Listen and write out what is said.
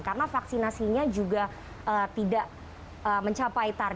karena vaksinasinya juga tidak mencapai